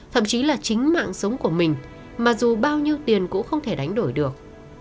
thậm chí là chính mạng sống của mình mà dù bao nhiêu tiền cũng không thể đánh đổi được